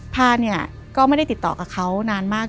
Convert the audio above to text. พาเนี่ยก็ไม่ได้ติดต่อกับเขานานมาก